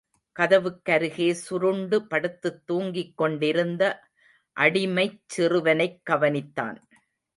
கதவுக்கருகே சுருண்டு படுத்துத் தூங்கிக் கொண்டிருந்த அடிமைச் சிறுவனைக் கவனித்தான்.